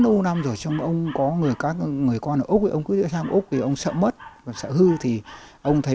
lâu năm rồi trong đó ông có người con ở úc ông cứ đi ra úc thì ông sợ mất sợ hư thì ông thấy